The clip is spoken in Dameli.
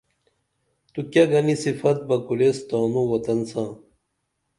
تو کیہ گنی صفت بہ کُریس تانوں وطن ساں